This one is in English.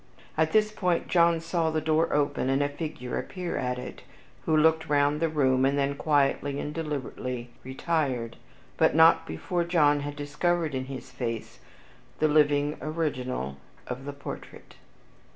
At this moment John saw the door open, and a figure appear at it, who looked round the room, and then quietly and deliberately retired, but not before John had discovered in his face the living original of the portrait.